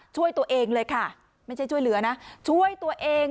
ช่วยตัวเองเลยค่ะไม่ใช่ช่วยเหลือนะช่วยตัวเอง